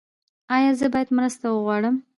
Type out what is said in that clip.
ایا زه باید مرسته وغواړم؟